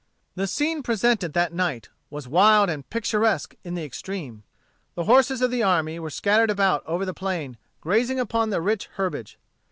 The scene presented that night was wild and picturesque in the extreme. The horses of the army were scattered about over the plain grazing upon the rich herbage.